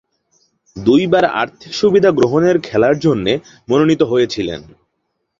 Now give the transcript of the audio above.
দুইবার আর্থিক সুবিধা গ্রহণের খেলার জন্যে মনোনীত হয়েছিলেন।